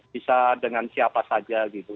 bisa dengan siapa saja gitu